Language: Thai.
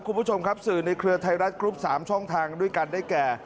คุณผู้ชมครับสื่อในเครือไทยรัฐกรุ๊ป๓ช่องทางด้วยกันได้แก่